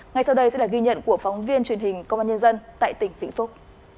ngay sau đây sẽ là ghi nhận của phóng viên truyền hình công an nhân dân tại tỉnh vĩnh phúc